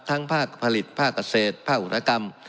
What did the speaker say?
ทั้งภาคผลิตภาคเกษตรภาคกุณกรรม